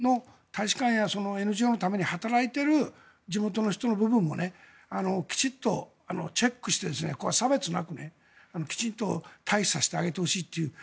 だから、ぜひ日本の大使館やそのＮＧＯのために働いている地元の人の部分もきちんとチェックして、差別なくきちんと退避させてあげてほしいという。